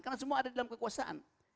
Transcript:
karena semua ada dalam kekuasaan